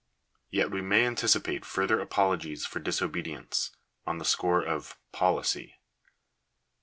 yet we may anticipate further apologies for disobedience, on the score of " policy."